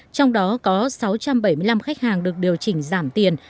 trong đó có sáu trăm bảy mươi năm khách hàng được điều chỉnh giảm tiền